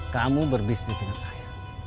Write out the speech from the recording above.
kamu berbisnis dengan saya